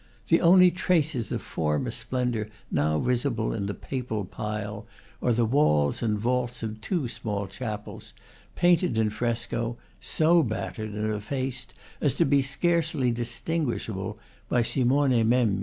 The only traces of former splendor now visible in the Papal pile are the walls and vaults of two small chapels, painted in fresco, so battered and effaced as to be scarcely distinguishable, by Simone Memmi.